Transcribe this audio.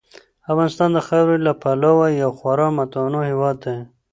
افغانستان د خاورې له پلوه یو خورا متنوع هېواد دی.